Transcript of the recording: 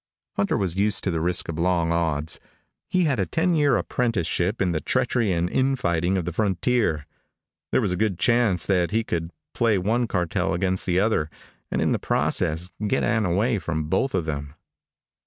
Hunter was used to the risk of long odds. He had a ten year apprenticeship in the treachery and in fighting of the frontier. There was a good chance that he could play one cartel against the other, and in the process get Ann away from both of them.